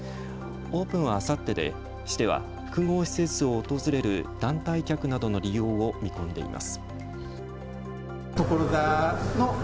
オープンはあさってで市では複合施設を訪れる団体客などの利用を見込んでいます。